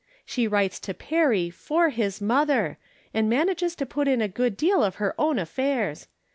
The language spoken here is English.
She ^mrites to Perry for his mother, and manages to put in a good deal of her own affairs.